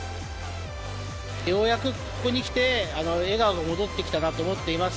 ようやくここにきて、笑顔が戻ってきたなと思っています。